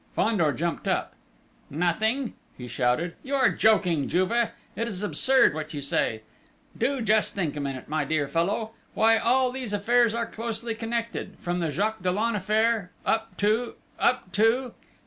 Fandor jumped up. "Nothing!" he shouted. "You are joking, Juve! It is absurd what you say! Do just think a minute, my dear fellow! Why, all these affairs are closely connected, from the Jacques Dollon affair, up to ... up to